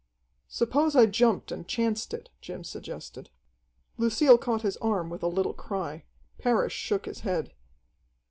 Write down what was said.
"Suppose I jumped and chanced it," Jim suggested. Lucille caught his arm with a little cry. Parrish shook his head.